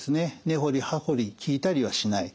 根掘り葉掘り聞いたりはしない